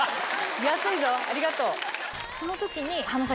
安いぞありがとう。